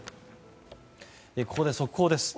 ここで速報です。